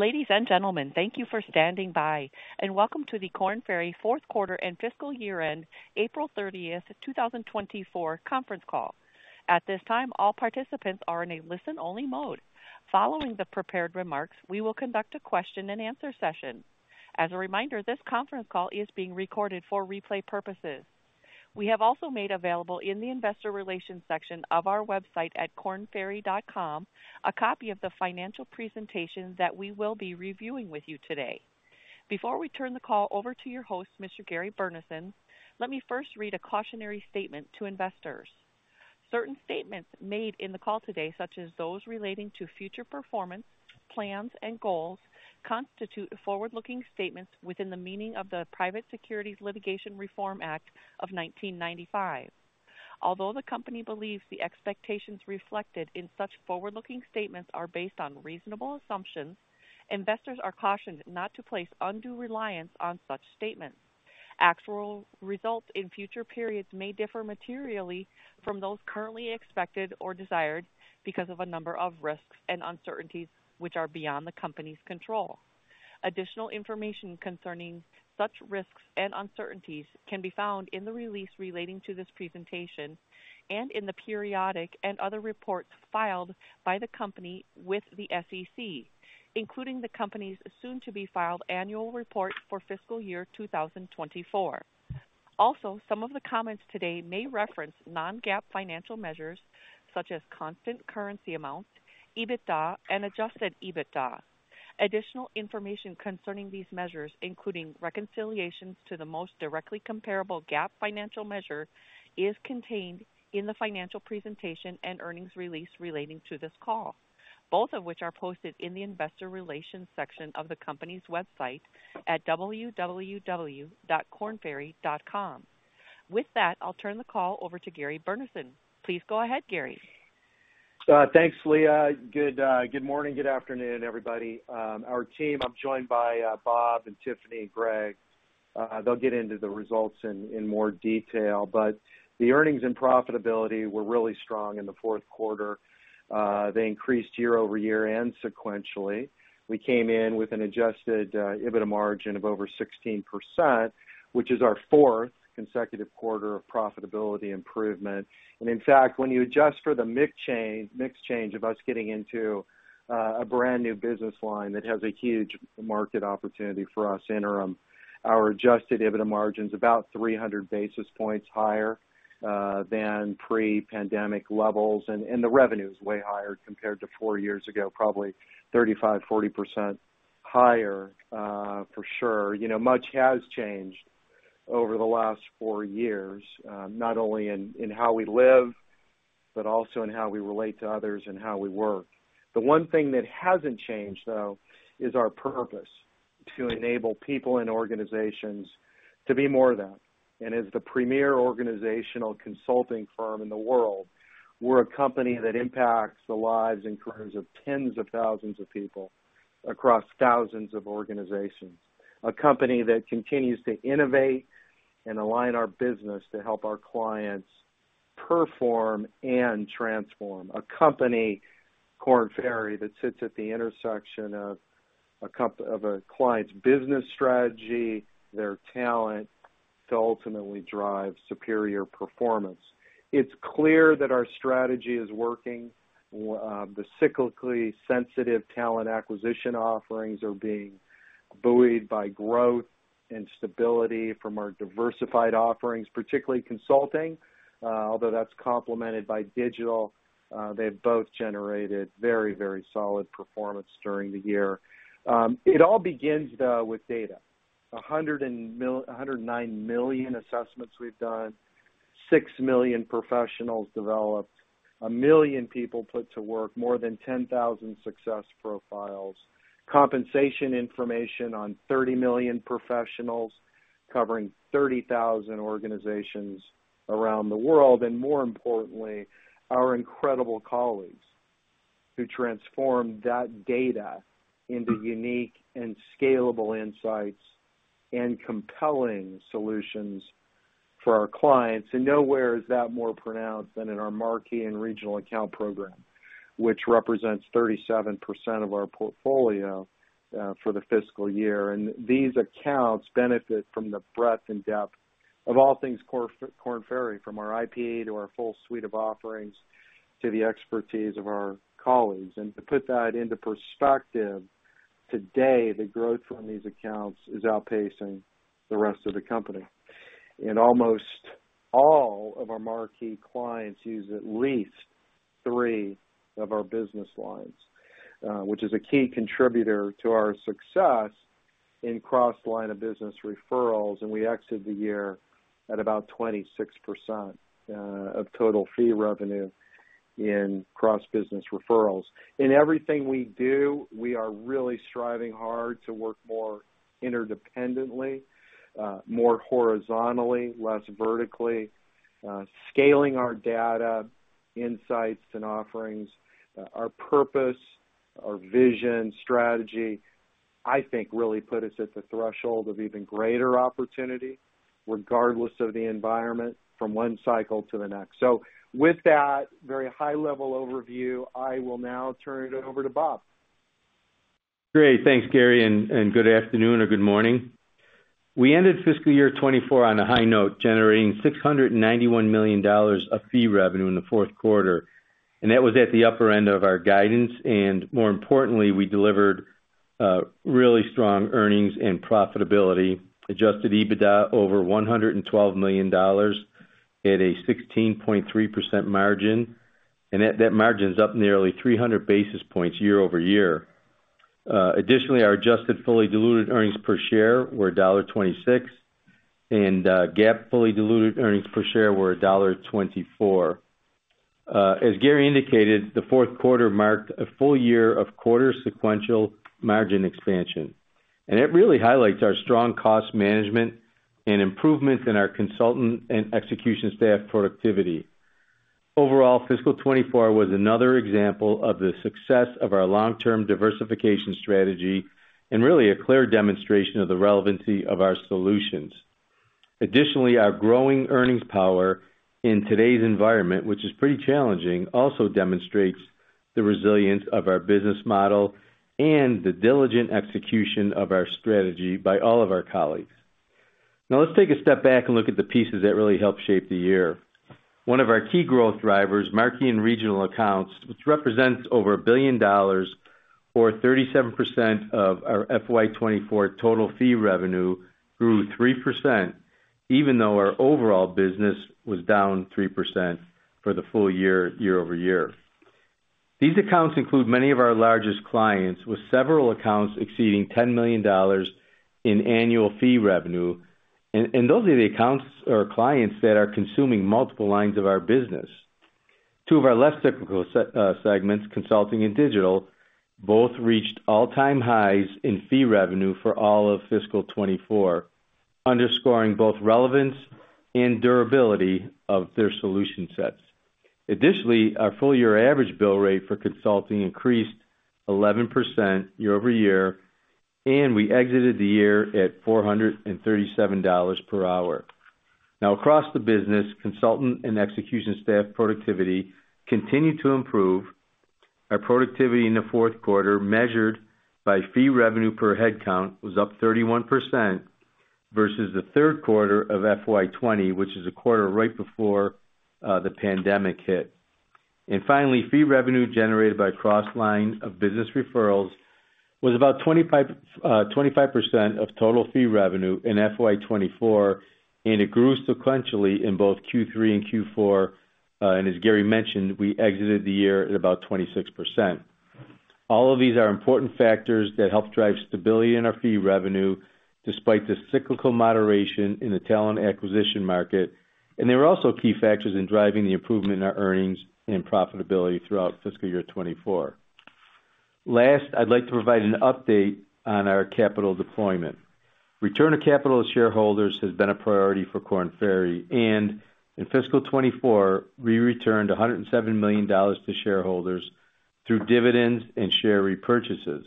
Ladies and gentlemen, thank you for standing by, and welcome to the Korn Ferry fourth quarter and fiscal year-end, April 30, 2024, conference call. At this time, all participants are in a listen-only mode. Following the prepared remarks, we will conduct a question-and-answer session. As a reminder, this conference call is being recorded for replay purposes. We have also made available in the investor relations section of our website at kornferry.com, a copy of the financial presentation that we will be reviewing with you today. Before we turn the call over to your host, Mr. Gary Burnison, let me first read a cautionary statement to investors. Certain statements made in the call today, such as those relating to future performance, plans, and goals, constitute forward-looking statements within the meaning of the Private Securities Litigation Reform Act of 1995. Although the company believes the expectations reflected in such forward-looking statements are based on reasonable assumptions, investors are cautioned not to place undue reliance on such statements. Actual results in future periods may differ materially from those currently expected or desired because of a number of risks and uncertainties, which are beyond the company's control. Additional information concerning such risks and uncertainties can be found in the release relating to this presentation and in the periodic and other reports filed by the company with the SEC, including the company's soon-to-be-filed annual report for fiscal year 2024. Also, some of the comments today may reference non-GAAP financial measures such as constant currency amounts, EBITDA, and adjusted EBITDA. Additional information concerning these measures, including reconciliations to the most directly comparable GAAP financial measure, is contained in the financial presentation and earnings release relating to this call, both of which are posted in the investor relations section of the company's website at www.kornferry.com. With that, I'll turn the call over to Gary Burnison. Please go ahead, Gary. Thanks, Leah. Good morning, good afternoon, everybody. Our team, I'm joined by Bob and Tiffany, and Gregg. They'll get into the results in more detail, but the earnings and profitability were really strong in the fourth quarter. They increased year-over-year and sequentially. We came in with an adjusted EBITDA margin of over 16%, which is our fourth consecutive quarter of profitability improvement. And in fact, when you adjust for the mix chain, mix change of us getting into a brand new business line that has a huge market opportunity for us, interim, our adjusted EBITDA margin is about 300 basis points higher than pre-pandemic levels, and the revenue is way higher compared to four years ago, probably 35%-40% higher, for sure. You know, much has changed over the last four years, not only in, in how we live, but also in how we relate to others and how we work. The one thing that hasn't changed, though, is our purpose: to enable people and organizations to be more of that. And as the premier organizational consulting firm in the world, we're a company that impacts the lives and careers of tens of thousands of people across thousands of organizations. A company that continues to innovate and align our business to help our clients perform and transform. A company, Korn Ferry, that sits at the intersection of a client's business strategy, their talent, to ultimately drive superior performance. It's clear that our strategy is working. The cyclically sensitive talent acquisition offerings are being buoyed by growth and stability from our diversified offerings, particularly consulting, although that's complemented by digital. They've both generated very, very solid performance during the year. It all begins with data. 109 million assessments we've done, 6 million professionals developed, 1 million people put to work, more than 10,000 Success Profiles, compensation information on 30 million professionals covering 30,000 organizations around the world, and more importantly, our incredible colleagues who transform that data into unique and scalable insights and compelling solutions for our clients. Nowhere is that more pronounced than in our Marquee and Regional Accounts program, which represents 37% of our portfolio for the fiscal year. These accounts benefit from the breadth and depth of all things Korn Ferry, from our IP to our full suite of offerings, to the expertise of our colleagues. To put that into perspective, today, the growth from these accounts is outpacing the rest of the company. Almost all of our Marquee clients use at least three of our business lines, which is a key contributor to our success in cross-line of business referrals, and we exited the year at about 26%, of total fee revenue in cross-business referrals. In everything we do, we are really striving hard to work more interdependently, more horizontally, less vertically, scaling our data, insights, and offerings, our purpose, our vision, strategy. I think really put us at the threshold of even greater opportunity, regardless of the environment from one cycle to the next. With that very high-level overview, I will now turn it over to Bob. Great. Thanks, Gary, and good afternoon or good morning. We ended fiscal year 2024 on a high note, generating $691 million of fee revenue in the fourth quarter, and that was at the upper end of our guidance, and more importantly, we delivered really strong earnings and profitability. Adjusted EBITDA over $112 million at a 16.3% margin, and that margin is up nearly 300 basis points year-over-year. Additionally, our adjusted fully diluted earnings per share were $0.26, and GAAP fully diluted earnings per share were $0.24. As Gary indicated, the fourth quarter marked a full year of quarter sequential margin expansion, and it really highlights our strong cost management and improvements in our consultant and execution staff productivity. Overall, fiscal 2024 was another example of the success of our long-term diversification strategy and really a clear demonstration of the relevancy of our solutions. Additionally, our growing earnings power in today's environment, which is pretty challenging, also demonstrates the resilience of our business model and the diligent execution of our strategy by all of our colleagues. Now, let's take a step back and look at the pieces that really helped shape the year. One of our key growth drivers, Marquee and Regional Accounts, which represents over $1 billion or 37% of our FY 2024 total Fee revenue, grew 3%, even though our overall business was down 3% for the full year, year-over-year. These accounts include many of our largest clients, with several accounts exceeding $10 million in annual fee revenue, and those are the accounts or clients that are consuming multiple lines of our business. Two of our less cyclical segments, consulting and digital, both reached all-time highs in fee revenue for all of fiscal 2024, underscoring both relevance and durability of their solution sets. Additionally, our full year average bill rate for consulting increased 11% year-over-year, and we exited the year at $437 per hour. Now, across the business, consultant and execution staff productivity continued to improve. Our productivity in the fourth quarter, measured by fee revenue per headcount, was up 31% versus the third quarter of FY 2020, which is a quarter right before the pandemic hit. And finally, fee revenue generated by cross-line of business referrals was about 25% of total fee revenue in FY 2024, and it grew sequentially in both Q3 and Q4. And as Gary mentioned, we exited the year at about 26%. All of these are important factors that help drive stability in our fee revenue, despite the cyclical moderation in the talent acquisition market, and they were also key factors in driving the improvement in our earnings and profitability throughout fiscal year 2024. Last, I'd like to provide an update on our capital deployment. Return of capital to shareholders has been a priority for Korn Ferry, and in fiscal 2024, we returned $170 million to shareholders through dividends and share repurchases.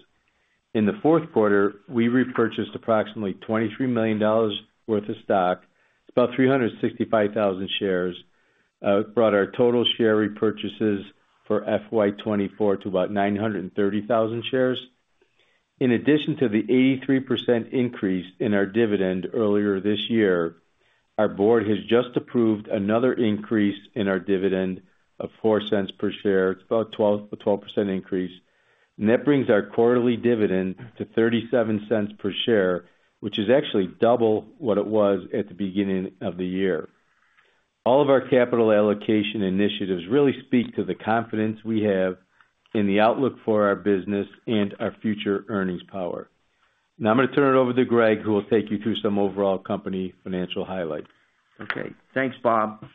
In the fourth quarter, we repurchased approximately $23 million worth of stock. It's about 365,000 shares, brought our total share repurchases for FY 2024 to about 930,000 shares. In addition to the 83% increase in our dividend earlier this year, our board has just approved another increase in our dividend of $0.04 per share. It's about 12% increase. That brings our quarterly dividend to $0.37 per share, which is actually double what it was at the beginning of the year. All of our capital allocation initiatives really speak to the confidence we have in the outlook for our business and our future earnings power. Now I'm going to turn it over to Gregg, who will take you through some overall company financial highlights. Okay, thanks, Bob.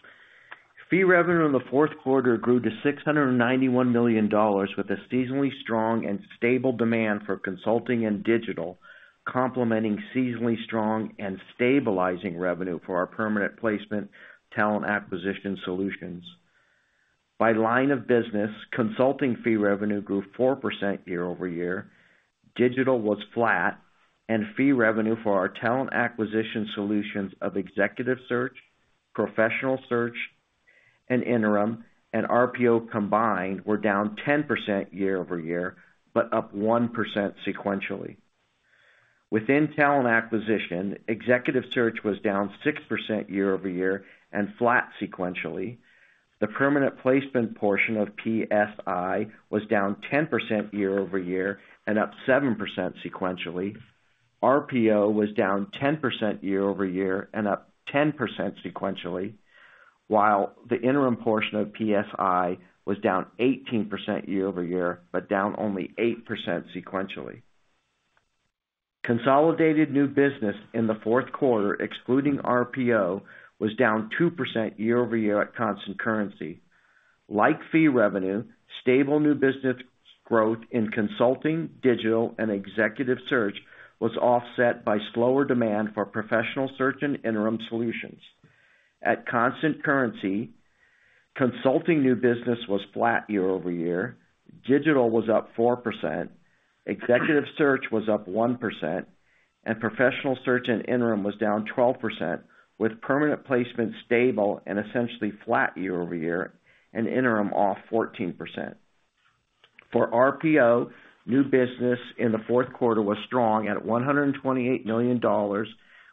Fee revenue in the fourth quarter grew to $691 million, with a seasonally strong and stable demand for consulting and digital, complementing seasonally strong and stabilizing revenue for our permanent placement, talent acquisition solutions. By line of business, consulting fee revenue grew 4% year-over-year, digital was flat, and fee revenue for our talent acquisition solutions of executive search, professional search, and interim and RPO combined were down 10% year-over-year, but up 1% sequentially. Within talent acquisition, executive search was down 6% year-over-year and flat sequentially. The permanent placement portion of PSI was down 10% year-over-year and up 7% sequentially. RPO was down 10% year-over-year and up 10% sequentially, while the interim portion of PSI was down 18% year-over-year, but down only 8% sequentially. Consolidated new business in the fourth quarter, excluding RPO, was down 2% year-over-year at constant currency. Like fee revenue, stable new business growth in consulting, digital, and executive search was offset by slower demand for professional search and interim solutions. At constant currency, consulting new business was flat year-over-year, digital was up 4%, executive search was up 1%, and professional search and interim was down 12%, with permanent placement stable and essentially flat year-over-year, and interim off 14%. For RPO, new business in the fourth quarter was strong at $128 million,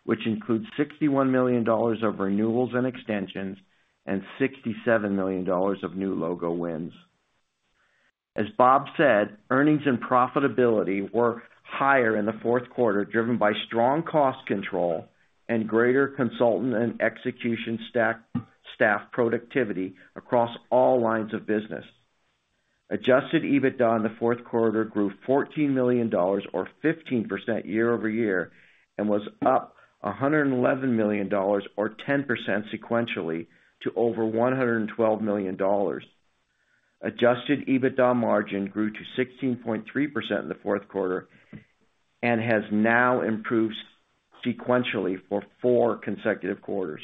which includes $61 million of renewals and extensions and $67 million of new logo wins. As Bob said, earnings and profitability were higher in the fourth quarter, driven by strong cost control and greater consultant and execution staff productivity across all lines of business. Adjusted EBITDA in the fourth quarter grew $14 million or 15% year-over-year, and was up $111 million or 10% sequentially, to over $112 million. Adjusted EBITDA margin grew to 16.3% in the fourth quarter and has now improved sequentially for four consecutive quarters.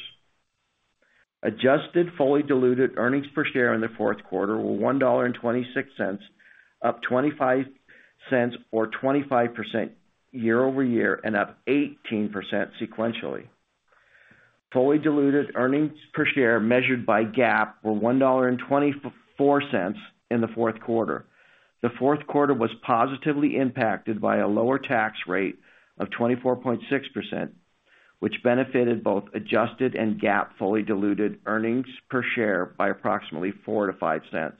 Adjusted fully diluted earnings per share in the fourth quarter were $1.26, up $0.25 or 25% year-over-year, and up 18% sequentially. Fully diluted earnings per share, measured by GAAP, were $1.24 in the fourth quarter. The fourth quarter was positively impacted by a lower tax rate of 24.6%, which benefited both adjusted and GAAP fully diluted earnings per share by approximately $0.04-$0.05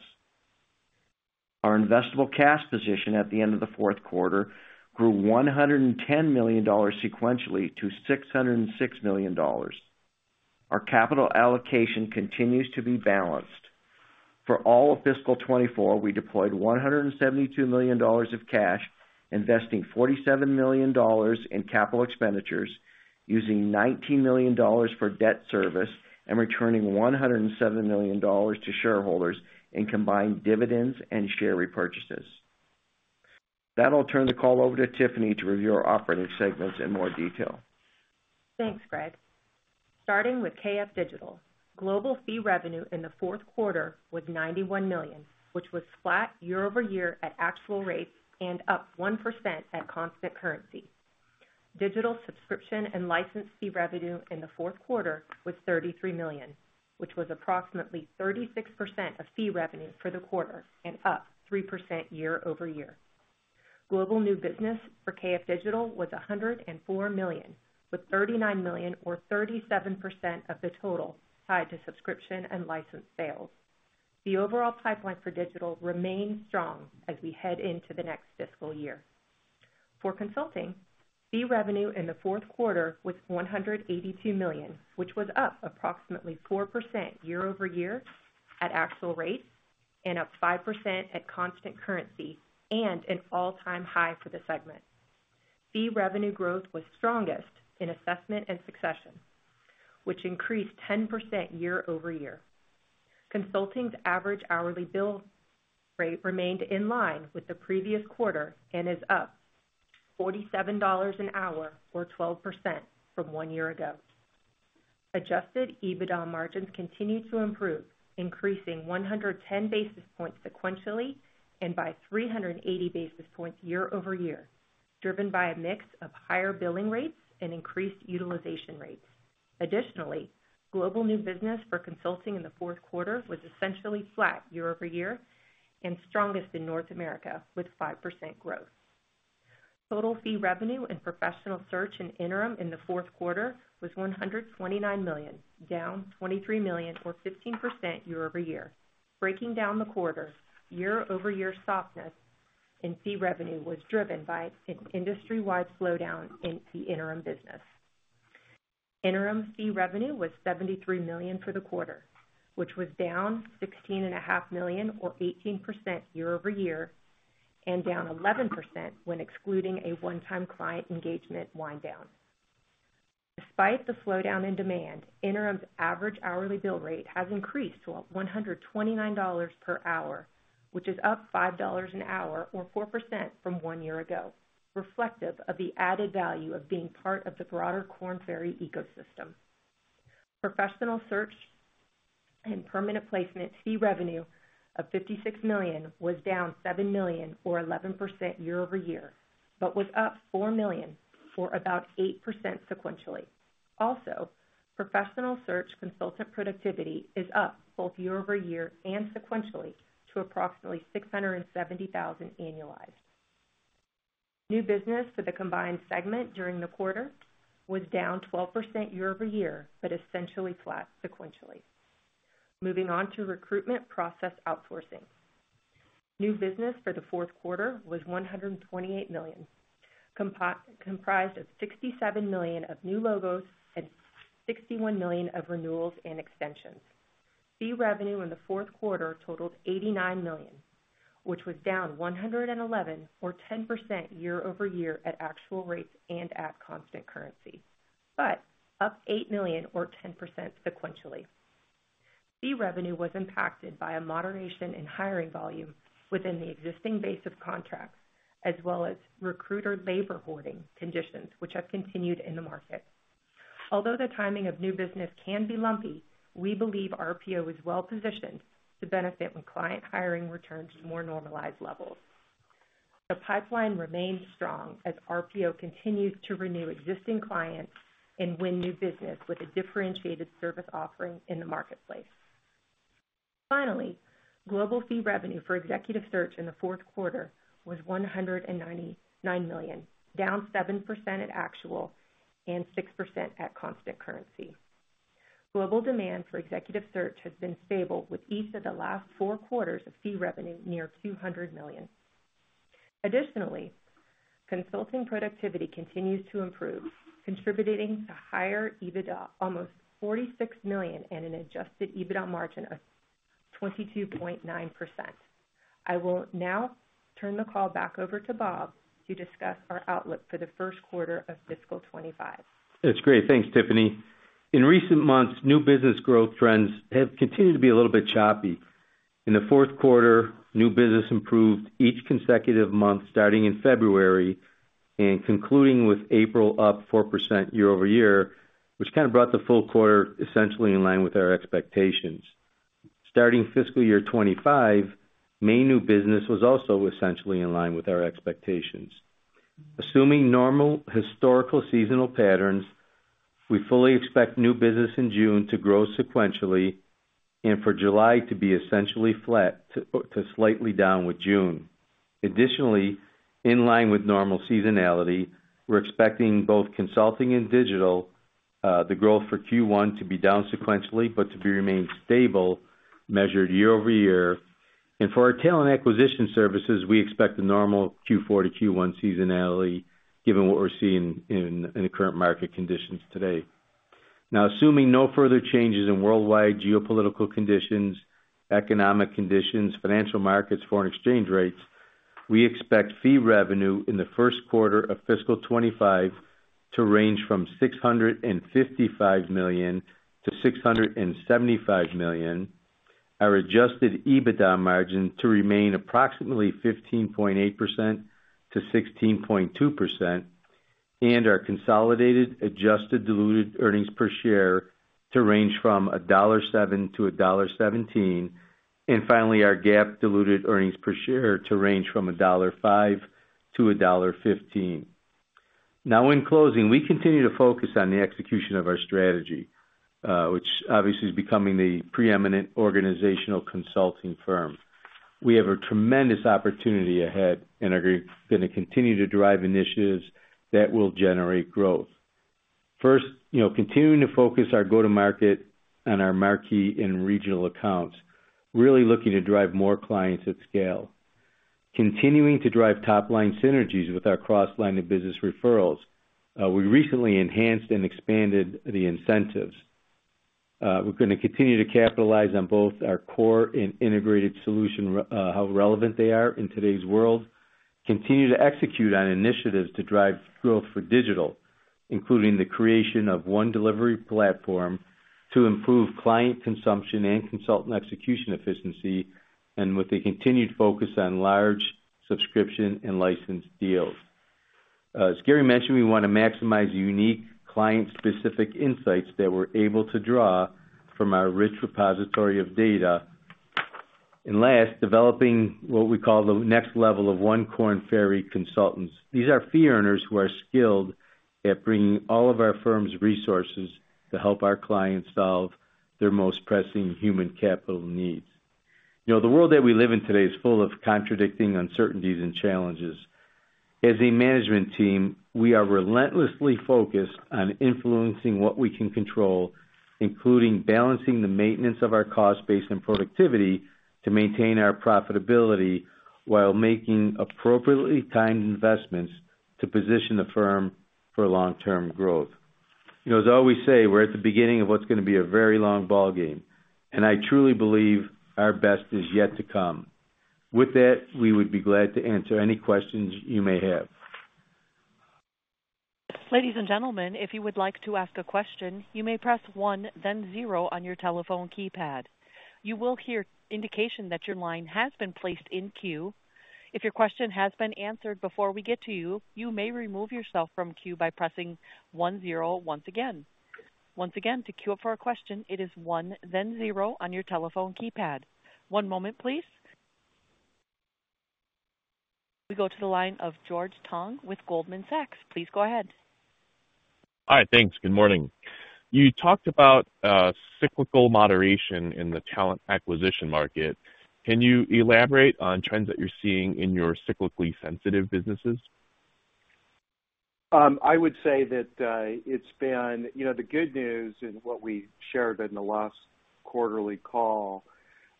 Our investable cash position at the end of the fourth quarter grew $110 million sequentially to $606 million. Our capital allocation continues to be balanced. For all of fiscal 2024, we deployed $172 million of cash, investing $47 million in capital expenditures, using $19 million for debt service, and returning $107 million to shareholders in combined dividends and share repurchases. Now I'll turn the call over to Tiffany to review our operating segments in more detail. Thanks, Gregg. Starting with KF Digital. Global fee revenue in the fourth quarter was $91 million, which was flat year-over-year at actual rates and up 1% at constant currency. Digital subscription and license fee revenue in the fourth quarter was $33 million, which was approximately 36% of fee revenue for the quarter and up 3% year-over-year. Global new business for KF Digital was $104 million, with $39 million or 37% of the total tied to subscription and license sales. The overall pipeline for digital remains strong as we head into the next fiscal year. For consulting, fee revenue in the fourth quarter was $182 million, which was up approximately 4% year-over-year at actual rates and up 5% at constant currency, and an all-time high for the segment. Fee revenue growth was strongest in assessment and succession, which increased 10% year-over-year. Consulting's average hourly bill rate remained in line with the previous quarter and is up $47 an hour, or 12%, from one year ago. Adjusted EBITDA margins continued to improve, increasing 110 basis points sequentially and by 380 basis points year-over-year, driven by a mix of higher billing rates and increased utilization rates. Additionally, global new business for consulting in the fourth quarter was essentially flat year-over-year and strongest in North America, with 5% growth. Total fee revenue in professional search and interim in the fourth quarter was $129 million, down $23 million or 15% year-over-year. Breaking down the quarter, year-over-year softness in fee revenue was driven by an industry-wide slowdown in the interim business. Interim fee revenue was $73 million for the quarter, which was down $16.5 million, or 18% year-over-year, and down 11% when excluding a one-time client engagement wind down. Despite the slowdown in demand, interim's average hourly bill rate has increased to $129 per hour, which is up $5 an hour or 4% from one year ago, reflective of the added value of being part of the broader Korn Ferry ecosystem. Professional search and permanent placement fee revenue of $56 million was down $7 million or 11% year-over-year, but was up $4 million, or about 8% sequentially. Also, professional search consultant productivity is up both year-over-year and sequentially to approximately 670,000 annualized. New business for the combined segment during the quarter was down 12% year-over-year, but essentially flat sequentially. Moving on to recruitment process outsourcing. New business for the fourth quarter was $128 million, comprised of $67 million of new logos and $61 million of renewals and extensions. Fee revenue in the fourth quarter totaled $89 million, which was down 111, or 10%, year-over-year at actual rates and at constant currency, but up $8 million or 10% sequentially. Fee revenue was impacted by a moderation in hiring volume within the existing base of contracts, as well as recruiter labor hoarding conditions, which have continued in the market. Although the timing of new business can be lumpy, we believe RPO is well positioned to benefit when client hiring returns to more normalized levels. The pipeline remains strong as RPO continues to renew existing clients and win new business with a differentiated service offering in the marketplace. Finally, global fee revenue for executive search in the fourth quarter was $199 million, down 7% at actual and 6% at constant currency. Global demand for executive search has been stable, with each of the last four quarters of fee revenue near $200 million. Additionally, consulting productivity continues to improve, contributing to higher EBITDA, almost $46 million, and an adjusted EBITDA margin of 22.9%. I will now turn the call back over to Bob to discuss our outlook for the first quarter of fiscal 2025. That's great. Thanks, Tiffany. In recent months, new business growth trends have continued to be a little bit choppy. In the fourth quarter, new business improved each consecutive month, starting in February and concluding with April, up 4% year-over-year, which kind of brought the full quarter essentially in line with our expectations. Starting fiscal year 2025, May new business was also essentially in line with our expectations. Assuming normal historical seasonal patterns, we fully expect new business in June to grow sequentially and for July to be essentially flat to slightly down with June. Additionally, in line with normal seasonality, we're expecting both consulting and digital, the growth for Q1 to be down sequentially, but to remain stable, measured year-over-year. For our talent acquisition services, we expect a normal Q4 to Q1 seasonality, given what we're seeing in the current market conditions today. Now, assuming no further changes in worldwide geopolitical conditions, economic conditions, financial markets, foreign exchange rates, we expect fee revenue in the first quarter of fiscal 2025 to range from $655 million-$675 million. Our adjusted EBITDA margin to remain approximately 15.8%-16.2%, and our consolidated adjusted diluted earnings per share to range from $1.07-$1.17, and finally, our GAAP diluted earnings per share to range from $1.05-$1.15. Now, in closing, we continue to focus on the execution of our strategy, which obviously is becoming the preeminent organizational consulting firm. We have a tremendous opportunity ahead and are going to continue to drive initiatives that will generate growth. First, you know, continuing to focus our go-to-market on our Marquee and Regional Accounts, really looking to drive more clients at scale. Continuing to drive top-line synergies with our cross-line of business referrals. We recently enhanced and expanded the incentives. We're going to continue to capitalize on both our core and integrated solution, how relevant they are in today's world. Continue to execute on initiatives to drive growth for digital, including the creation of one delivery platform to improve client consumption and consultant execution efficiency, and with a continued focus on large subscription and licensed deals. As Gary mentioned, we want to maximize unique client-specific insights that we're able to draw from our rich repository of data. Last, developing what we call the next level of One Korn Ferry consultants. These are fee earners who are skilled at bringing all of our firm's resources to help our clients solve their most pressing human capital needs. You know, the world that we live in today is full of contradicting uncertainties and challenges. As a management team, we are relentlessly focused on influencing what we can control, including balancing the maintenance of our cost base and productivity, to maintain our profitability, while making appropriately timed investments to position the firm for long-term growth. You know, as I always say, we're at the beginning of what's going to be a very long ballgame, and I truly believe our best is yet to come. With that, we would be glad to answer any questions you may have. Ladies and gentlemen, if you would like to ask a question, you may press one, then zero on your telephone keypad. You will hear indication that your line has been placed in queue. If your question has been answered before we get to you, you may remove yourself from queue by pressing one-zero once again. Once again, to queue up for a question, it is one, then zero on your telephone keypad. One moment, please. We go to the line of George Tong with Goldman Sachs. Please go ahead. Hi, thanks. Good morning. You talked about, cyclical moderation in the talent acquisition market. Can you elaborate on trends that you're seeing in your cyclically sensitive businesses? I would say that, it's been. You know, the good news in what we shared in the last quarterly call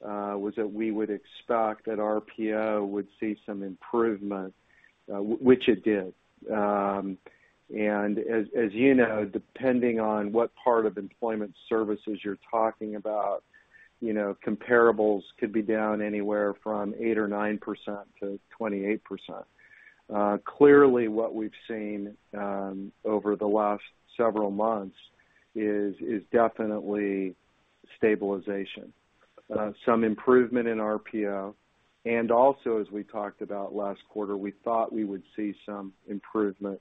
was that we would expect that RPO would see some improvement, which it did. And as you know, depending on what part of employment services you're talking about, you know, comparables could be down anywhere from 8% or 9% to 28%. Clearly, what we've seen over the last several months is definitely stabilization, some improvement in RPO. And also, as we talked about last quarter, we thought we would see some improvement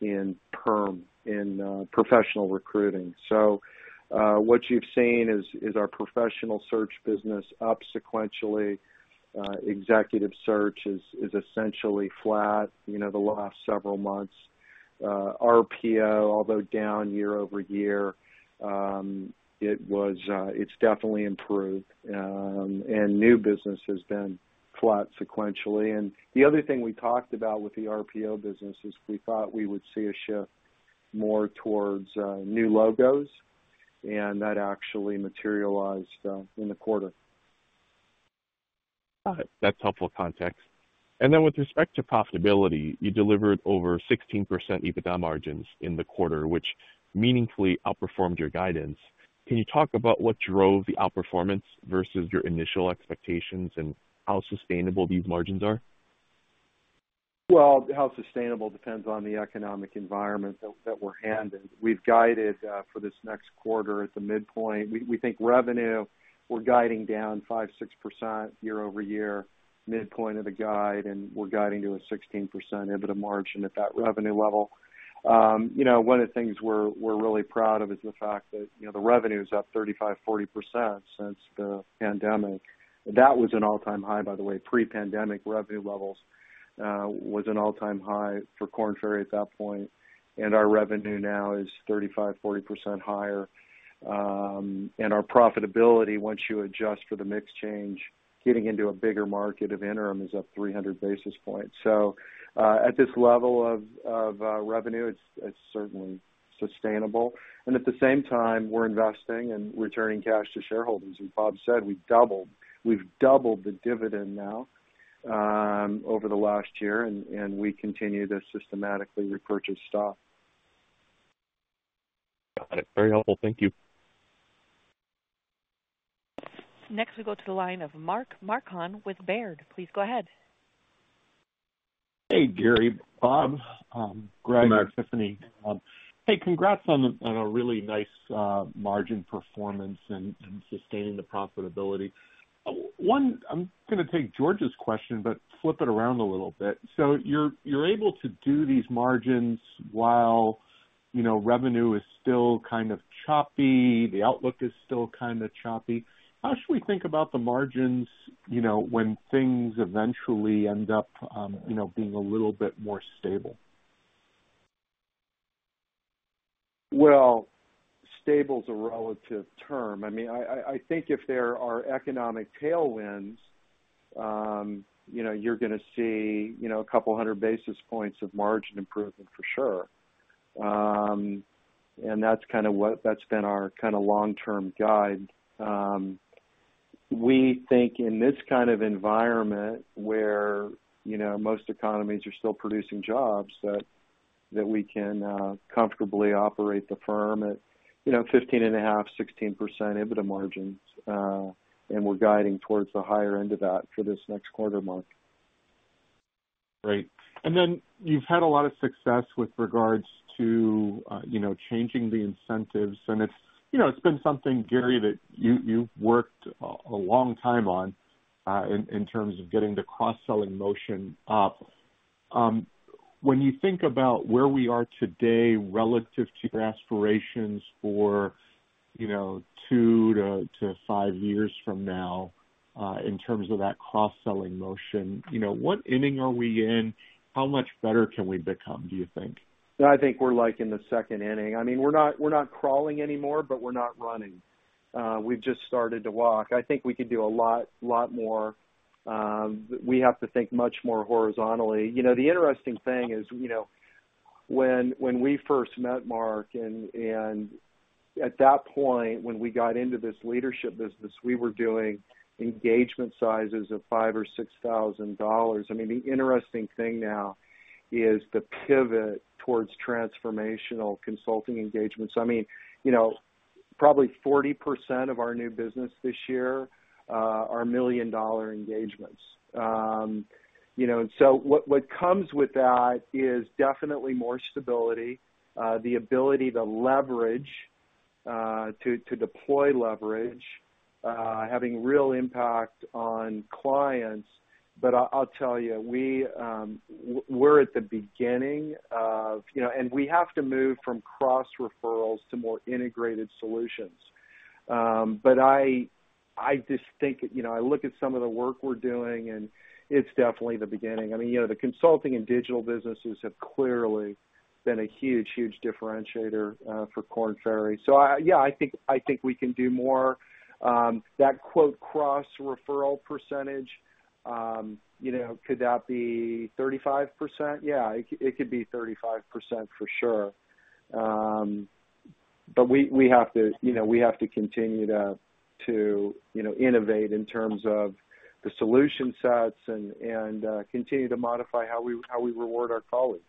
in perm, in professional recruiting. So, what you've seen is our professional search business up sequentially. Executive search is essentially flat, you know, the last several months. RPO, although down year-over-year, it was, it's definitely improved, and new business has been flat sequentially. The other thing we talked about with the RPO business is we thought we would see a shift more towards new logos, and that actually materialized in the quarter. Got it. That's helpful context. And then with respect to profitability, you delivered over 16% EBITDA margins in the quarter, which meaningfully outperformed your guidance. Can you talk about what drove the outperformance versus your initial expectations and how sustainable these margins are? Well, how sustainable depends on the economic environment that we're handed. We've guided for this next quarter at the midpoint. We think revenue, we're guiding down 5%-6% year-over-year, midpoint of the guide, and we're guiding to a 16% EBITDA margin at that revenue level. You know, one of the things we're really proud of is the fact that, you know, the revenue is up 35%-40% since the pandemic. That was an all-time high, by the way. Pre-pandemic revenue levels was an all-time high for Korn Ferry at that point, and our revenue now is 35%-40% higher. And our profitability, once you adjust for the mix change, getting into a bigger market of interim is up 300 basis points. So, at this level of revenue, it's certainly sustainable. At the same time, we're investing and returning cash to shareholders. As Bob said, we've doubled, we've doubled the dividend now, over the last year, and we continue to systematically repurchase stock. Got it. Very helpful. Thank you. Next, we go to the line of Mark Marcon with Baird. Please go ahead. Hey, Gary, Bob, Gregg, and Tiffany. Hey, congrats on a really nice margin performance and sustaining the profitability. I'm gonna take George's question, but flip it around a little bit. So you're able to do these margins while, you know, revenue is still kind of choppy, the outlook is still kind of choppy. How should we think about the margins, you know, when things eventually end up being a little bit more stable? Well, stable is a relative term. I mean, I think if there are economic tailwinds, you know, you're gonna see, you know, a couple hundred basis points of margin improvement for sure. And that's kind of what, that's been our kind long-term guide. We think in this kind of environment where, you know, most economies are still producing jobs, that we can comfortably operate the firm at, you know, 15.5%-16% EBITDA margins, and we're guiding towards the higher end of that for this next quarter, Mark. Great. Then you've had a lot of success with regards to, you know, changing the incentives, and it's, you know, it's been something, Gary, that you, you've worked a long time on, in terms of getting the cross-selling motion up. When you think about where we are today relative to your aspirations for, you know, 2-5 years from now, in terms of that cross-selling motion, you know, what inning are we in? How much better can we become, do you think? I think we're, like, in the second inning. I mean, we're not, we're not crawling anymore, but we're not running. We've just started to walk. I think we could do a lot, lot more. We have to think much more horizontally. You know, the interesting thing is, you know, when, when we first met, Mark, and, and at that point, when we got into this leadership business, we were doing engagement sizes of $5,000-$6,000. I mean, the interesting thing now is the pivot towards transformational consulting engagements. I mean, you know, probably 40% of our new business this year are million-dollar engagements. You know, and so what, what comes with that is definitely more stability, the ability to leverage, to, to deploy leverage, having real impact on clients. But I'll tell you, we're at the beginning of. You know, and we have to move from cross-referrals to more integrated solutions. But I just think, you know, I look at some of the work we're doing, and it's definitely the beginning. I mean, you know, the consulting and digital businesses have clearly been a huge, huge differentiator for Korn Ferry. So yeah, I think we can do more. That "cross-referral percentage," you know, could that be 35%? Yeah, it could be 35% for sure. But we have to, you know, we have to continue to innovate in terms of the solution sets and continue to modify how we reward our colleagues.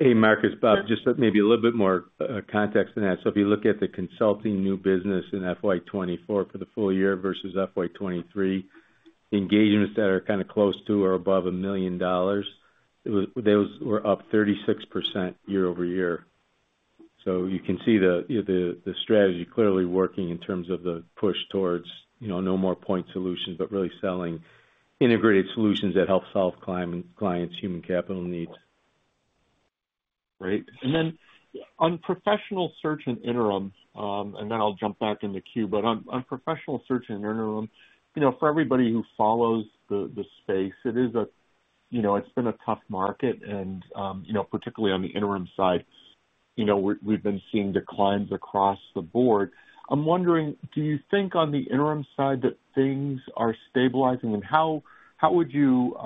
Hey, Mark, it's Bob. Just maybe a little bit more context than that. So if you look at the consulting new business in FY 2024 for the full year versus FY 2023, engagements that are kind close to or above $1 million. Those were up 36% year-over-year. So you can see the strategy clearly working in terms of the push towards, you know, no more point solutions, but really selling integrated solutions that help solve clients' human capital needs. Great. And then on professional search and interim, and then I'll jump back in the queue. But on professional search and interim, you know, for everybody who follows the space, it is a tough market, you know, it's been a tough market, and, you know, particularly on the interim side, you know, we've been seeing declines across the board. I'm wondering, do you think on the interim side that things are stabilizing? And how would you,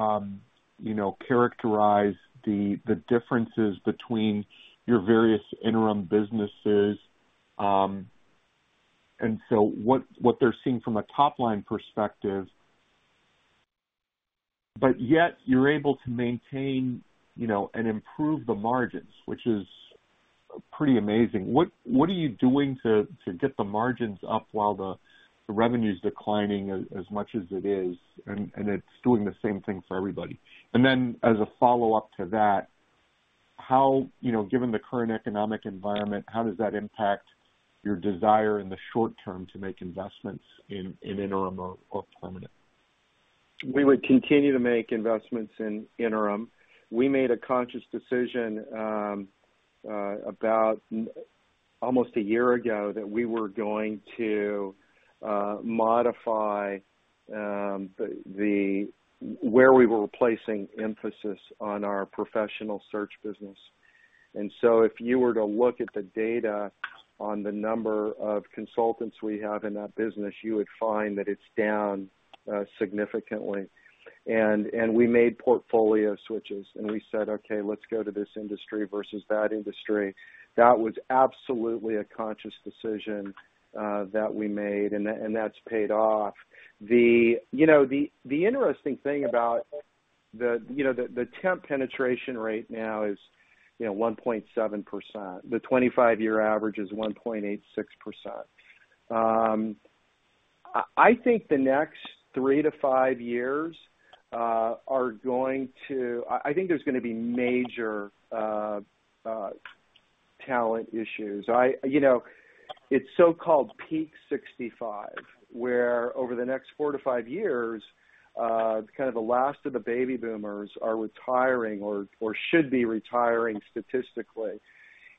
you know, characterize the differences between your various interim businesses, and so what they're seeing from a top-line perspective, but yet you're able to maintain, you know, and improve the margins, which is pretty amazing. What are you doing to get the margins up while the revenue's declining as much as it is, and it's doing the same thing for everybody? And then, as a follow-up to that, how, you know, given the current economic environment, how does that impact your desire in the short term to make investments in interim or permanent? We would continue to make investments in interim. We made a conscious decision about almost a year ago that we were going to modify where we were placing emphasis on our professional search business. And so if you were to look at the data on the number of consultants we have in that business, you would find that it's down significantly. We made portfolio switches, and we said, "Okay, let's go to this industry versus that industry." That was absolutely a conscious decision that we made, and that's paid off. You know, the interesting thing about the temp penetration rate now is, you know, 1.7%. The 25-year average is 1.86%. I think the next 3-5 years are going to... I think there's gonna be major talent issues. You know, it's so-called Peak 65, where over the next 4-5 years, kind of the last of the baby boomers are retiring or should be retiring statistically.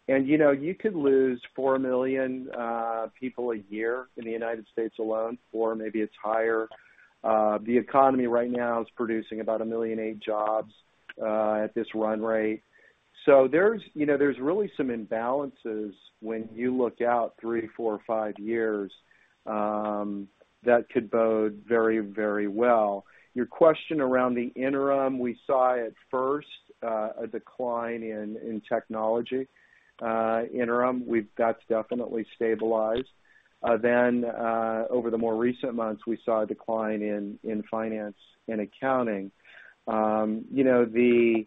You know, you could lose 4 million people a year in the United States alone, or maybe it's higher. The economy right now is producing about 1.8 million jobs at this run rate. So there's, you know, really some imbalances when you look out 3, 4 or 5 years that could bode very, very well. Your question around the interim, we saw at first a decline in technology interim. That's definitely stabilized. Then, over the more recent months, we saw a decline in finance and accounting. You know, the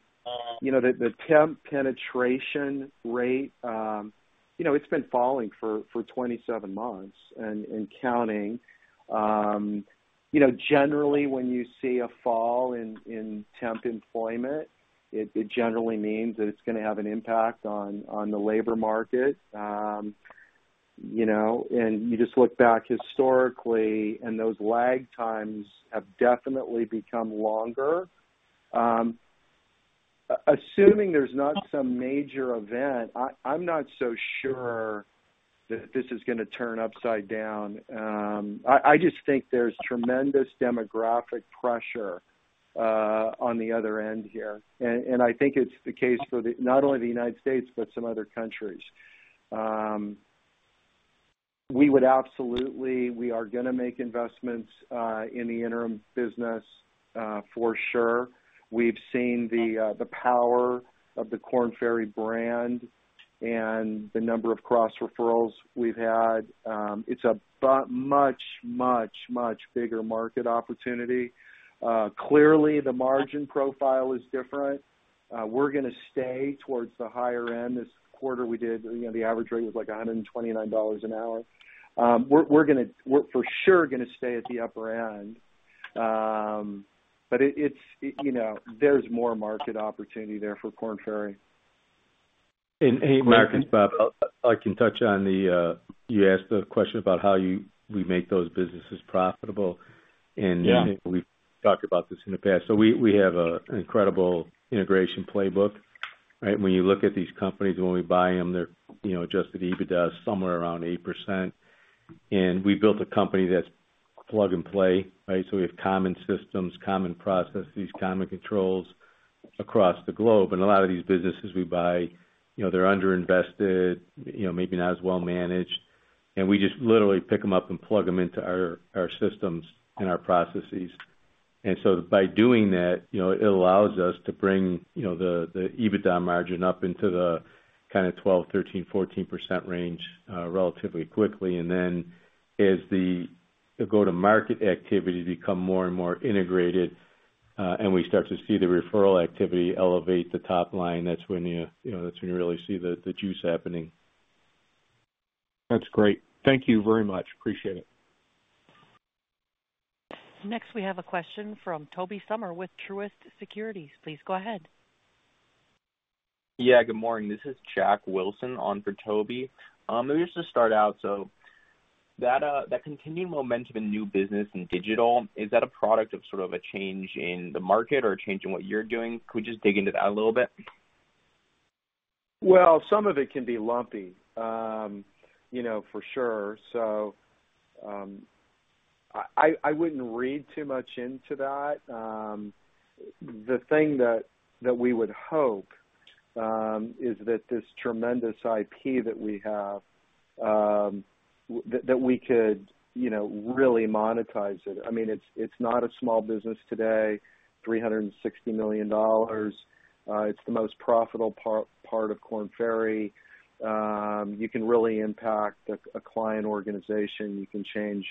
temp penetration rate, you know, it's been falling for 27 months and counting. You know, generally, when you see a fall in temp employment, it generally means that it's gonna have an impact on the labor market. You know, and you just look back historically, and those lag times have definitely become longer. Assuming there's not some major event, I'm not so sure that this is gonna turn upside down. I just think there's tremendous demographic pressure on the other end here. And I think it's the case for, not only the United States, but some other countries. We would absolutely. We are gonna make investments in the interim business, for sure. We've seen the power of the Korn Ferry brand and the number of cross-referrals we've had. It's a much, much, much bigger market opportunity. Clearly, the margin profile is different. We're gonna stay towards the higher end. This quarter we did, you know, the average rate was, like, $129 an hour. We're gonna, we're for sure gonna stay at the upper end. But it, it's, you know, there's more market opportunity there for Korn Ferry. Hey, Marcus, Bob, I can touch on the. You asked a question about how we make those businesses profitable and we've talked about this in the past. So we have an incredible integration playbook, right? When you look at these companies, when we buy them, they're, you know, adjusted EBITDA is somewhere around 8%. And we built a company that's plug and play, right? So we have common systems, common processes, common controls across the globe. And a lot of these businesses we buy, you know, they're underinvested, you know, maybe not as well managed, and we just literally pick them up and plug them into our systems and our processes. And so by doing that, you know, it allows us to bring the EBITDA margin up into the kind of 12%-14% range, relatively quickly. And then as the go-to-market activity become more and more integrated, and we start to see the referral activity elevate the top line, that's when you, you know, that's when you really see the, the juice happening. That's great. Thank you very much. Appreciate it. Next, we have a question from Toby Sommer with Truist Securities. Please go ahead. Yeah, good morning. This is Jack Wilson on for Toby. Maybe just to start out, so that, that continuing momentum in new business and digital, is that a product of sort of a change in the market or a change in what you're doing? Could we just dig into that a little bit? Well, some of it can be lumpy, you know, for sure. So, I wouldn't read too much into that. The thing that we would hope is that this tremendous IP that we have, that we could, you know, really monetize it. I mean, it's not a small business today, $360 million. It's the most profitable part of Korn Ferry. You can really impact a client organization. You can change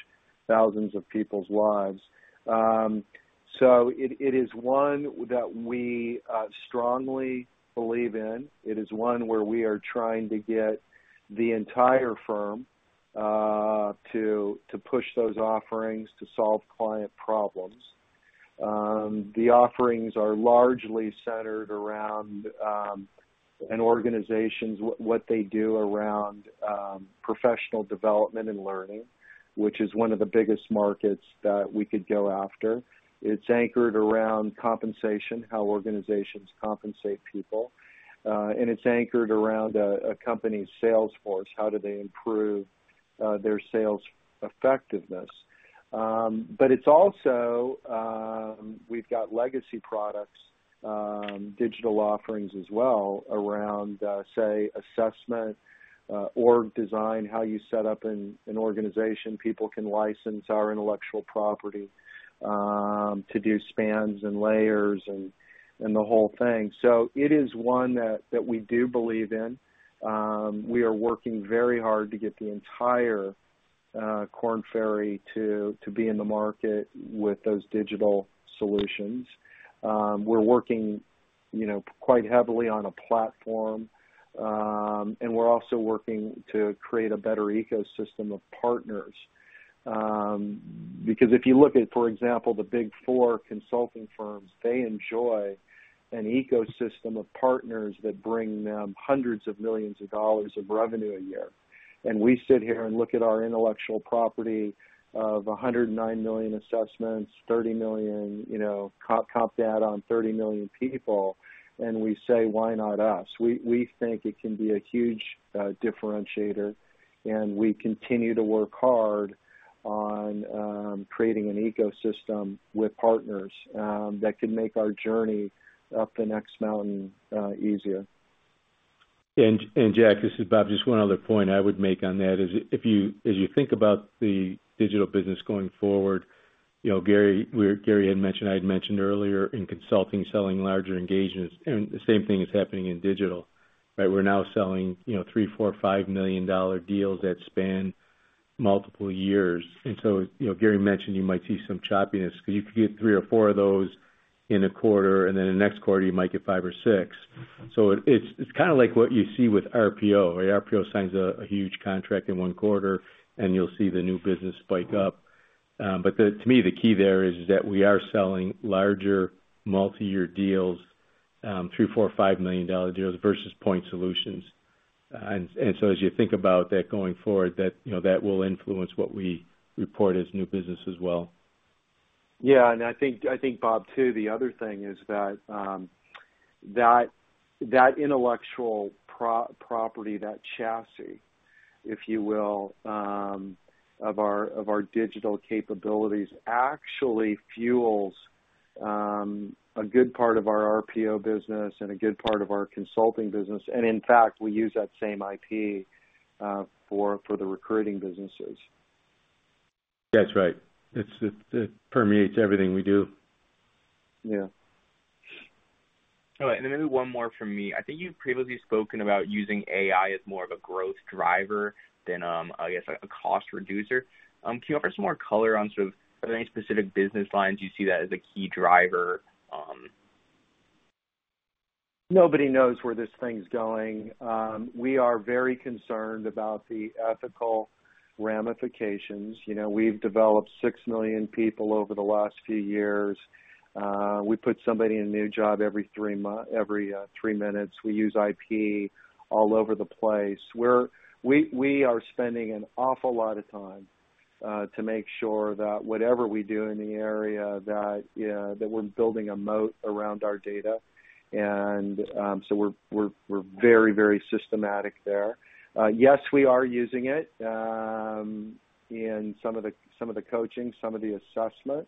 thousands of people's lives. So it is one that we strongly believe in. It is one where we are trying to get the entire firm to push those offerings to solve client problems. The offerings are largely centered around an organization, what they do around professional development and learning, which is one of the biggest markets that we could go after. It's anchored around compensation, how organizations compensate people, and it's anchored around a company's sales force, how do they improve their sales effectiveness? But it's also we've got legacy products, digital offerings as well, around, say, assessment, org design, how you set up an organization. People can license our intellectual property to do spans and layers and the whole thing. So it is one that we do believe in. We are working very hard to get the entire Korn Ferry to be in the market with those digital solutions. We're working, you know, quite heavily on a platform, and we're also working to create a better ecosystem of partners. Because if you look at, for example, the Big Four consulting firms, they enjoy an ecosystem of partners that bring them $hundreds of millions of dollars of revenue a year. We sit here and look at our intellectual property of 109 million assessments, 30 million, you know, comp data on 30 million people, and we say, "Why not us?" We, we think it can be a huge differentiator, and we continue to work hard on creating an ecosystem with partners that can make our journey up the next mountain easier. Jack, this is Bob. Just one other point I would make on that is if, as you think about the digital business going forward, you know, Gary, where Gary had mentioned, I had mentioned earlier in consulting, selling larger engagements, and the same thing is happening in digital, right? We're now selling, you know, $3 million-$5 million deals that span multiple years. And so, you know, Gary mentioned you might see some choppiness because you could get 3 or 4 of those in a quarter, and then the next quarter you might get 5 or 6. So it's kind like what you see with RPO. RPO signs a huge contract in one quarter, and you'll see the new business spike up. But the key there is that we are selling larger, multi-year deals, $3 million, $4 million, $5 million deals versus point solutions. And so as you think about that going forward, you know, that will influence what we report as new business as well. Yeah, and I think, I think, Bob, too, the other thing is that that intellectual property, that chassis, if you will, of our digital capabilities, actually fuels a good part of our RPO business and a good part of our consulting business, and in fact, we use that same IP for the recruiting businesses. That's right. It permeates everything we do. Yeah. All right, and then maybe one more from me. I think you've previously spoken about using AI as more of a growth driver than, I guess, a cost reducer. Can you offer some more color on sort of, are there any specific business lines you see that as a key driver? Nobody knows where this thing's going. We are very concerned about the ethical ramifications. You know, we've developed 6 million people over the last few years. We put somebody in a new job every three minutes. We use IP all over the place. We are spending an awful lot of time to make sure that whatever we do in the area, that we're building a moat around our data. So we're very, very systematic there. Yes, we are using it in some of the coaching, some of the assessment.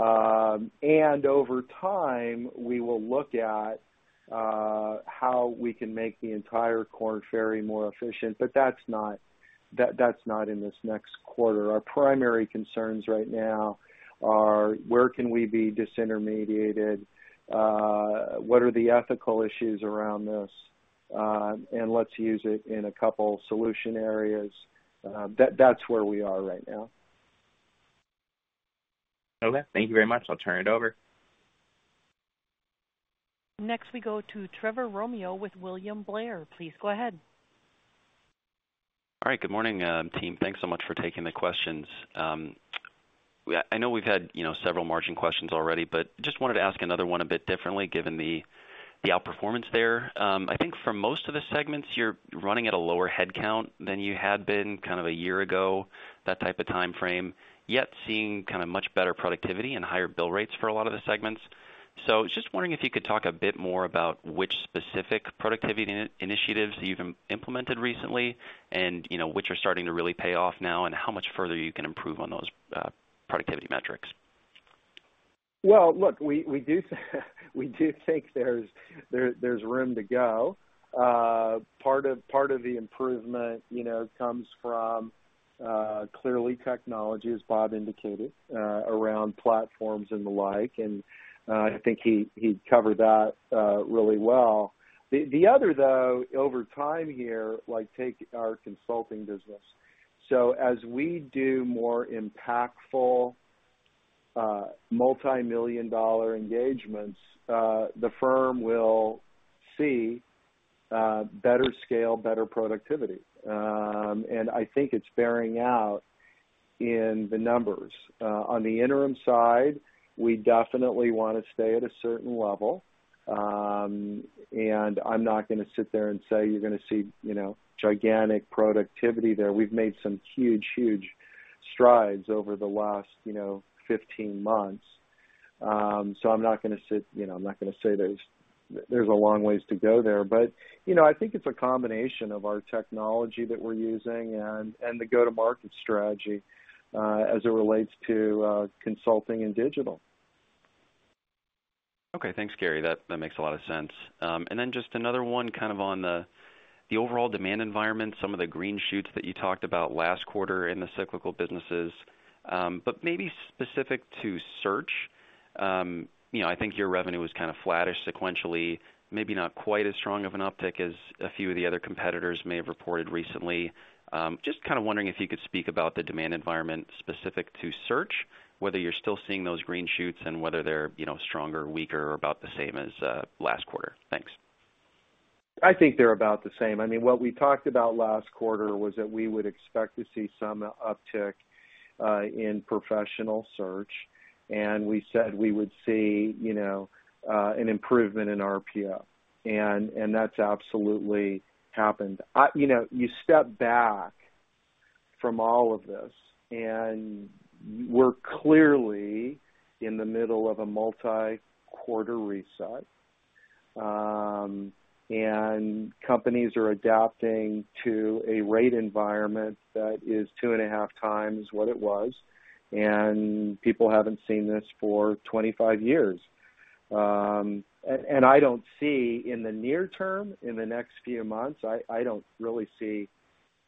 And over time, we will look at how we can make the entire Korn Ferry more efficient, but that's not in this next quarter. Our primary concerns right now are: where can we be disintermediated? What are the ethical issues around this? Let's use it in a couple solution areas. That's where we are right now. Okay. Thank you very much. I'll turn it over. Next, we go to Trevor Romeo with William Blair. Please go ahead. All right. Good morning, team. Thanks so much for taking the questions. Yeah, I know we've had, you know, several margin questions already, but just wanted to ask another one a bit differently, given the outperformance there. I think for most of the segments, you're running at a lower headcount than you had been kind of a year ago, that type of time frame, yet seeing kind of much better productivity and higher bill rates for a lot of the segments. So just wondering if you could talk a bit more about which specific productivity initiatives you've implemented recently and, you know, which are starting to really pay off now and how much further you can improve on those productivity metrics? Well, look, we do think there's room to go. Part of the improvement, you know, comes from clearly technology, as Bob indicated, around platforms and the like, and I think he covered that really well. The other, though, over time here, like, take our consulting business. So as we do more impactful multimillion-dollar engagements, the firm will see better scale, better productivity. And I think it's bearing out in the numbers. On the interim side, we definitely want to stay at a certain level. And I'm not gonna sit there and say you're gonna see, you know, gigantic productivity there. We've made some huge, huge strides over the last, you know, 15 months. So, I'm not gonna sit, you know, I'm not gonna say there's a long ways to go there. But, you know, I think it's a combination of our technology that we're using and the go-to-market strategy as it relates to consulting and digital. Okay, thanks, Gary. That, that makes a lot of sense. And then just another one kind of on the, the overall demand environment, some of the green shoots that you talked about last quarter in the cyclical businesses, but maybe specific to search. You know, I think your revenue was kind of flattish sequentially, maybe not quite as strong of an uptick as a few of the other competitors may have reported recently. Just kind of wondering if you could speak about the demand environment specific to search, whether you're still seeing those green shoots and whether they're, you know, stronger, weaker, or about the same as, last quarter. Thanks. I think they're about the same. I mean, what we talked about last quarter was that we would expect to see some uptick in professional search, and we said we would see, you know, an improvement in RPO. And that's absolutely happened. You know, you step back from all of this, and we're clearly in the middle of a multi-quarter reset. And companies are adapting to a rate environment that is 2.5 times what it was, and people haven't seen this for 25 years. And I don't see in the near term, in the next few months, I don't really see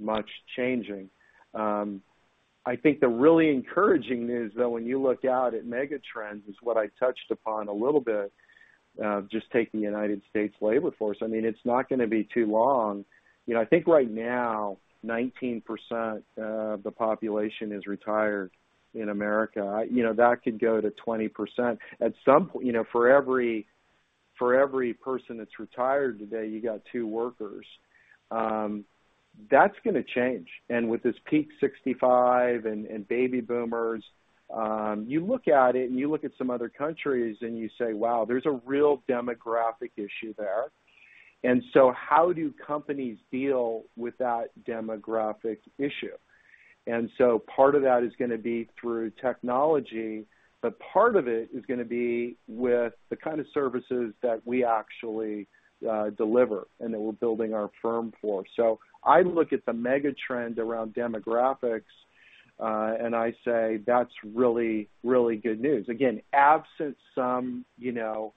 much changing. I think the really encouraging news, though, when you look out at megatrends, is what I touched upon a little bit, just taking United States labor force. I mean, it's not gonna be too long. You know, I think right now, 19% of the population is retired in America. You know, that could go to 20%. At some point, you know, for every person that's retired today, you got two workers. That's gonna change. And with this Peak 65 and baby boomers, you look at it, and you look at some other countries, and you say, wow, there's a real demographic issue there. And so how do companies deal with that demographic issue? And so part of that is gonna be through technology, but part of it is gonna be with the kind of services that we actually deliver and that we're building our firm for. So I look at the megatrend around demographics, and I say, that's really, really good news. Again, absent some, you know,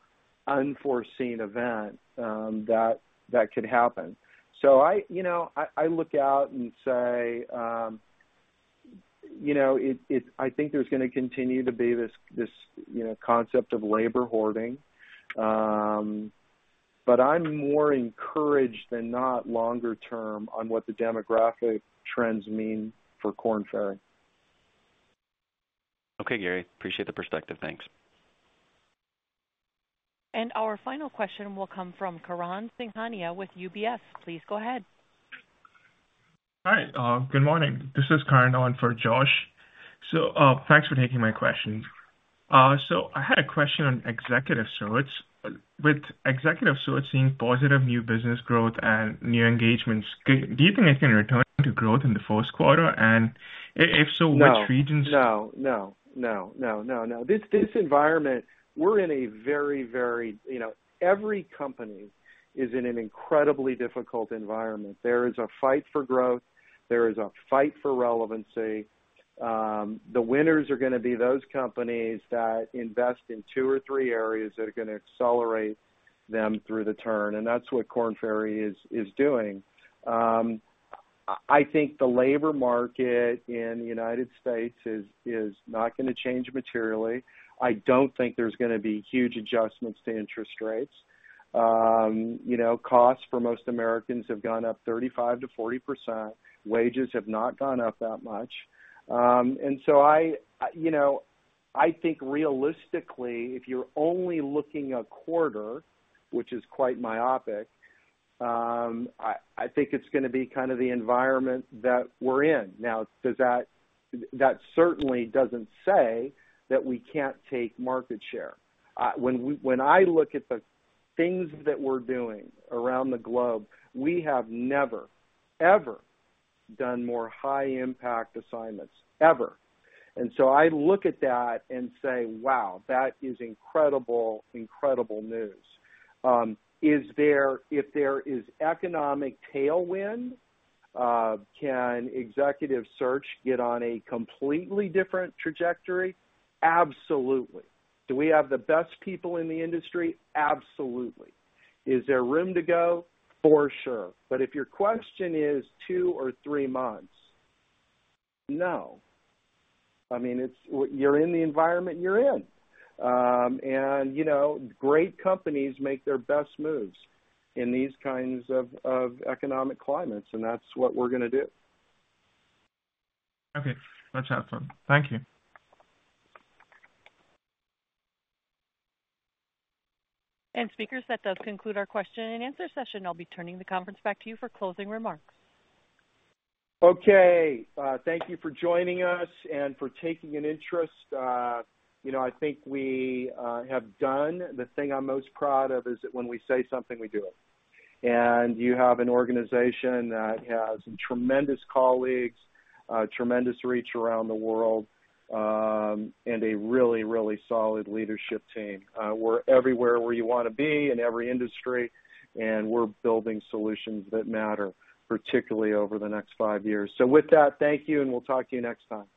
unforeseen event that could happen. So I, you know, I look out and say, you know, it. I think there's gonna continue to be this, you know, concept of labor hoarding. But I'm more encouraged than not longer term on what the demographic trends mean for Korn Ferry. Okay, Gary. Appreciate the perspective. Thanks. Our final question will come from Karan Singhania with UBS. Please go ahead. Hi. Good morning. This is Karan on for Josh. So, thanks for taking my question. So I had a question on Executive Search. With Executive Search seeing positive new business growth and new engagements, do you think it can return to growth in the first quarter? And if so, which regions- No. No, no, no, no, no. This, this environment, we're in a very, very. You know, every company is in an incredibly difficult environment. There is a fight for growth. There is a fight for relevancy. The winners are gonna be those companies that invest in two or three areas that are gonna accelerate them through the turn, and that's what Korn Ferry is doing. I think the labor market in the United States is not gonna change materially. I don't think there's gonna be huge adjustments to interest rates. You know, costs for most Americans have gone up 35%-40%. Wages have not gone up that much. And so I, you know, I think realistically, if you're only looking a quarter, which is quite myopic, I think it's gonna be kind of the environment that we're in. Now, does that— That certainly doesn't say that we can't take market share. When I look at the things that we're doing around the globe, we have never, ever done more high impact assignments, ever. And so I look at that and say, wow, that is incredible, incredible news. Is there, if there is economic tailwind, can executive search get on a completely different trajectory? Absolutely. Do we have the best people in the industry? Absolutely. Is there room to go? For sure. But if your question is two or three months, no. I mean, it's, you're in the environment you're in. And, you know, great companies make their best moves in these kinds of, of economic climates, and that's what we're gonna do. Okay. That's awesome. Thank you. Speakers, that does conclude our question and answer session. I'll be turning the conference back to you for closing remarks. Okay, thank you for joining us and for taking an interest. You know, I think we have done. The thing I'm most proud of is that when we say something, we do it. You have an organization that has tremendous colleagues, tremendous reach around the world, and a really, really solid leadership team. We're everywhere where you wanna be, in every industry, and we're building solutions that matter, particularly over the next five years. With that, thank you, and we'll talk to you next time.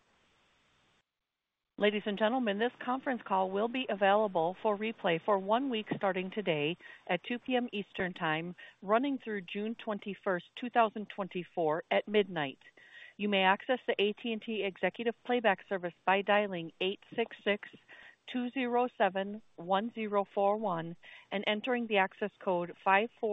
Ladies and gentlemen, this conference call will be available for replay for one week, starting today at 2 P.M. Eastern Time, running through June 21, 2024 at midnight. You may access the AT&T Executive Playback Service by dialing 866-207-1041 and entering the access code 54.